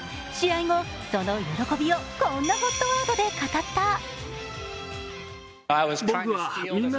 試合後、その喜びをこんなＨＯＴワードで語った。